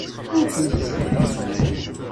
Ur kent-ttheddineɣ.